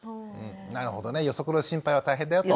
なるほどね予測の心配は大変だよと。